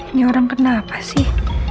ini orang kenapa sih